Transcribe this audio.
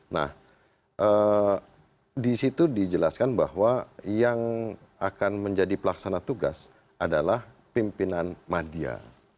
nah disitu dijelaskan bahwa yang akan menjadi pelaksana tugas adalah pimpinan media